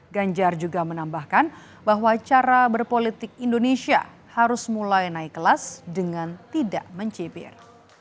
ganjar juga menambahkan bahwa cara berpolitik indonesia harus mulai naik kelas dengan tidak mencibir